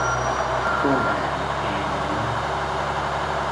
Cô bạn càng lo